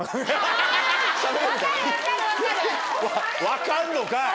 分かんのかい！